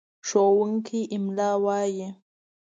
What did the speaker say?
ښوونکی املا وايي.